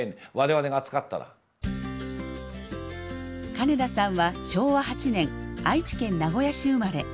金田さんは昭和８年愛知県名古屋市生まれ。